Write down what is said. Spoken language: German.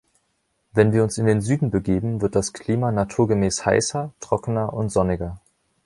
Wenn wir uns in den Süden begeben, wird das Klima naturgemäß heißer, trockener und sonniger.